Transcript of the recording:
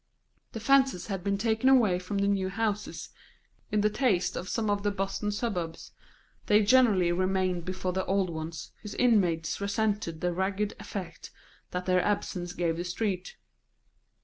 The fences had been taken away from the new houses, in the taste of some of the Boston suburbs; they generally remained before the old ones, whose inmates resented the ragged effect that their absence gave the street.